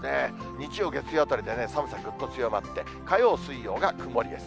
日曜、月曜あたりで寒さ、ぐっと強まって、火曜、水曜が曇りです。